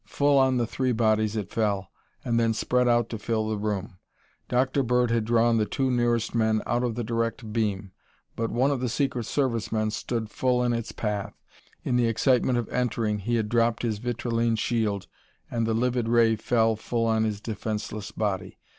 Full on the three bodies it fell, and then spread out to fill the room. Dr. Bird had drawn the two nearest men out of the direct beam, but one of the secret service men stood full in its path. In the excitement of entering he had dropped his vitrilene shield and the livid ray fell full on his defenceless body.